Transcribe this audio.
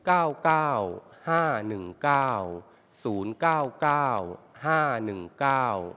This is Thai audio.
ออกทางวันที่๕ครั้งที่๕๖